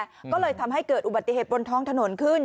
ก็เลยทำให้เกิดอุบัติเหตุบนท้องถนนขึ้น